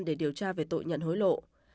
để điều tra về tội nhận hối lộ